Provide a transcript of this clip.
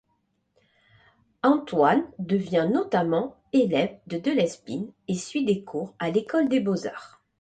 Antoine devient notamment élève de Delespine, et suit des cours à l'école des Beaux-Arts.